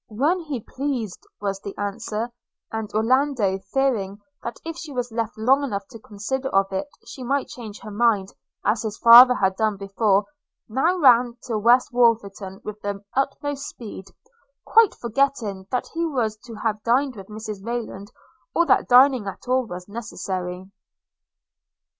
– 'When he pleased,' was the answer; – and Orlando, fearing that if she was left long to consider of it she might change her mind as his father had done before, now ran to West Wolverton with the utmost speed, quite forgetting that he was to have dined with Mrs Rayland, or that dining at all was necessary.